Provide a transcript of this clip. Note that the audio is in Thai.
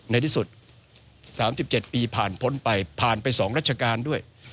ในที่สุด๓๗ปีผ่านพ้นไปผ่านไป๒ราชการด้วย